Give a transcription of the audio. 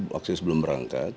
waktu sebelum berangkat